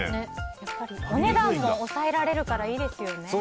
お値段も抑えられるからいいですよね。